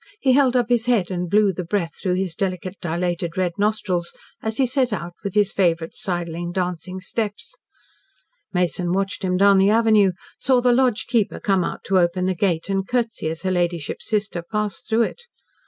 He held up his head, and blew the breath through his delicate, dilated, red nostrils as he set out with his favourite sidling, dancing steps. Mason watched him down the avenue, saw the lodge keeper come out to open the gate, and curtsy as her ladyship's sister passed through it.